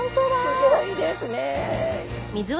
すギョいですね。